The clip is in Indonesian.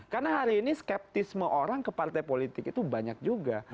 karena hari ini skeptisme orang ke partai politik itu banyak juga